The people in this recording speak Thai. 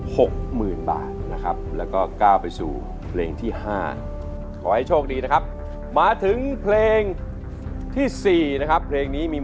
หกหมื่นบาทนะครับแล้วก็ก้าวไปสู่เพลงที่ห้าขอให้โชคดีนะครับมาถึงเพลงที่สี่นะครับเพลงนี้มี